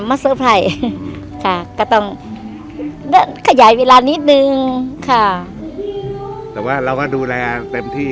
มาเสิร์ฟให้ค่ะก็ต้องขยายเวลานิดนึงค่ะแต่ว่าเราก็ดูแลเต็มที่